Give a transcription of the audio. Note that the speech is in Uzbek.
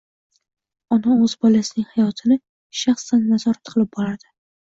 Ona o‘z bolasining hayotini shaxsan nazorat qilib boradi: